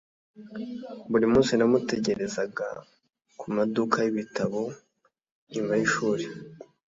Buri munsi namutegerezaga kumaduka yibitabo nyuma yishuri.